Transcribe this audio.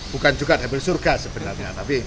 bukan juga diambil surga sebenarnya